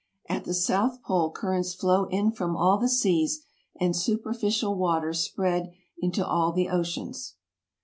At the south pole currents flow in from all the seas, and superficial waters spread into all the oceans.